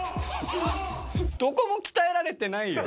どこも鍛えられてないよ。